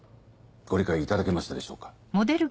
ご理解いただけましたでしょうか？